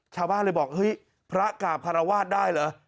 ชาวบ้านเลยบอกเฮ้ยพระกราบคารวาสได้เหรอ